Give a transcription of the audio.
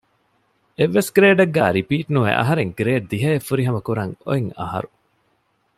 އެއްވެސް ގްރޭޑެއްގައި ރިޕީޓް ނުވެ އަހަރެން ގްރޭޑް ދިހައެއް ފުރިހަމަ ކުރަން އޮތްއަހަރު